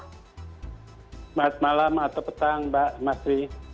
selamat malam atau petang mbak mas tri